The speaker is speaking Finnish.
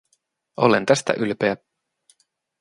Olen tästä ylpeä.